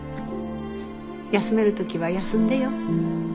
休める時は休んでよ。